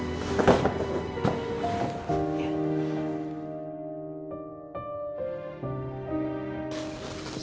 ya ampun pak